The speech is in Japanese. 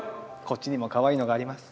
こっちにもかわいいのがあります。